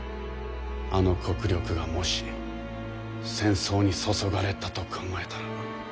あの国力がもし戦争に注がれたと考えたら。